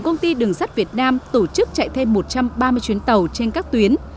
công ty đường sắt việt nam tổ chức chạy thêm một trăm ba mươi chuyến tàu trên các tuyến